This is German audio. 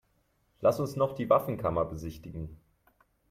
Lass uns noch die Waffenkammer besichtigen.